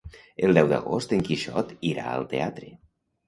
El deu d'agost en Quixot irà al teatre.